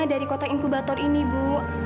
dari kota inkubator ini bu